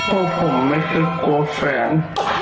พวกผมไม่เคยกลัวแฟน